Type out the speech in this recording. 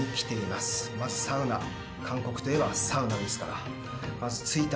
まずサウナ韓国といえばサウナですから。